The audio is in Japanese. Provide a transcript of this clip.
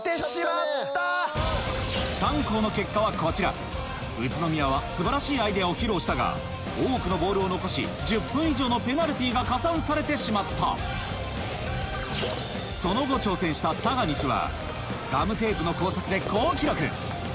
３校の結果はこちら宇都宮は素晴らしいアイデアを披露したが多くのボールを残し１０分以上のペナルティーが加算されてしまったその後挑戦した佐賀西はガムテープの工作で好記録